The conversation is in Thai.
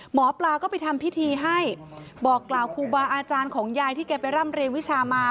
หมอปลาก็ไปทำพิธีให้บอกกล่าวครูบาอาจารย์ของยายที่แกไปร่ำเรียนวิชามา